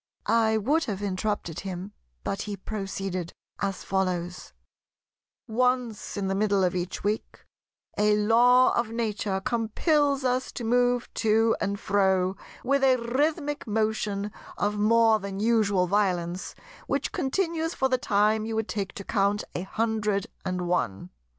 I would have interrupted him; but he proceeded as follows: "Once in the middle of each week a Law of Nature compels us to move to and fro with a rhythmic motion of more than usual violence, which continues for the time you would take to count a hundred and one.